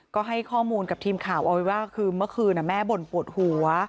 ก็ให้ข้อมูลกับทีมข่าวเอาไว้ว่าคือเมื่อคืนแม่บ่นปวดหัว